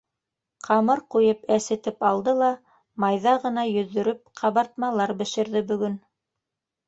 Ҡамыр ҡуйып әсетеп алды ла, майҙа ғына йөҙҙөрөп, ҡабартмалар бешерҙе бөгөн.